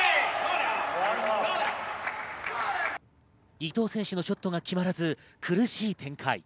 伊藤選手のショットが決まらず苦しい展開。